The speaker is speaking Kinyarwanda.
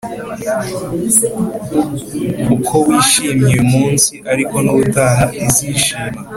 Uko wishimye uyu munsi ariko nubutaha izishima